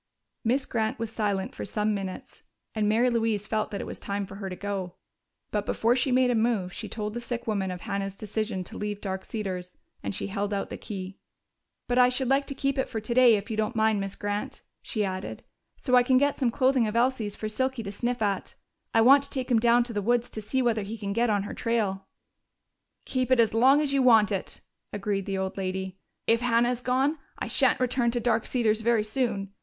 Miss Grant was silent for some minutes, and Mary Louise felt that it was time for her to go. But before she made a move, she told the sick woman of Hannah's decision to leave Dark Cedars, and she held out the key. "But I should like to keep it today, if you don't mind, Miss Grant," she added, "so I can get some clothing of Elsie's for Silky to sniff at. I want to take him down to the woods to see whether he can get on her trail." "Keep it as long as you want it," agreed the old lady. "If Hannah is gone, I shan't return to Dark Cedars very soon.